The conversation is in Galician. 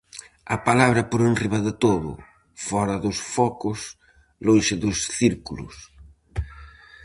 A palabra por enriba de todo; fóra dos focos, lonxe dos círculos.